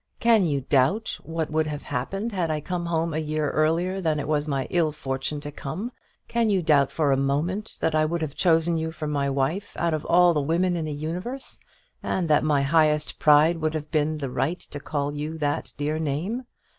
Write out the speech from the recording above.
Can you doubt what would have happened had I come home a year earlier than it was my ill fortune to come? Can you doubt for a moment that I would have chosen you for my wife out of all the women in the universe, and that my highest pride would have been the right to call you by that dear name?